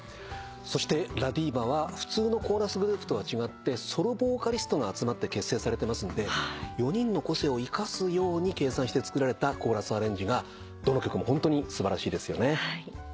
そしてＬＡＤＩＶＡは普通のコーラスグループとは違ってソロボーカリストが集まって結成されてますので４人の個性を生かすように計算してつくられたコーラスアレンジがどの曲もホントに素晴らしいですよね。